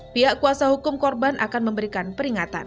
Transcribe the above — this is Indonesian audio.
pihak kuasa hukum korban akan memberikan peringatan